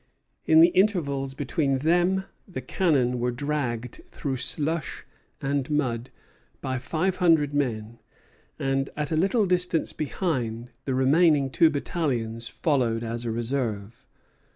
In the intervals between them the cannon were dragged through slush and mud by five hundred men; and, at a little distance behind, the remaining two battalions followed as a reserve.